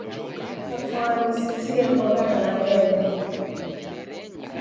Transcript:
Kafwani sijie mbogha ra malemba.